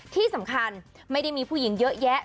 ที่สำคัญไม่ได้มีผู้หญิงเยอะแยะ